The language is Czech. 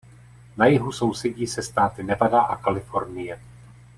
Na jihu sousedí se státy Nevada a Kalifornie.